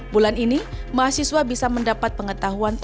bulan ini mahasiswa bisa mendapat pengetahuan